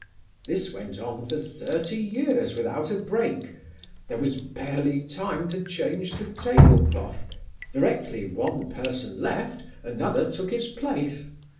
This went on for thirty years without a break; there was barely time to change the table cloth; directly one person left, another took his place.